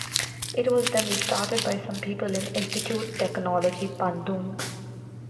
It was then restarted by some people in Institut Teknologi Bandung.